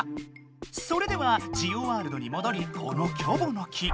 それではジオワールドにもどりこのキョボの木。